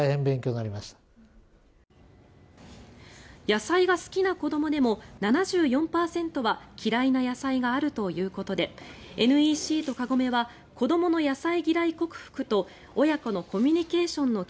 野菜が好きな子どもでも７４％が嫌いな野菜があるということでＮＥＣとカゴメは子どもの野菜嫌い克服と親子のコミュニケーションの